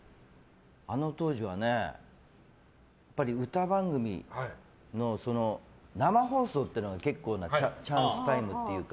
あの当時はやっぱり歌番組の生放送っていうのが結構なチャンスタイムというか。